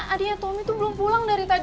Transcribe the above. adiknya tommy itu belum pulang dari tadi